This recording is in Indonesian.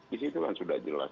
di situ kan sudah jelas